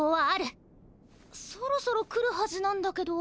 そろそろ来るはずなんだけど。